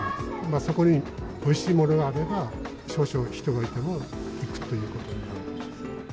そこにおいしいものがあれば、少々人がいても行くということになる。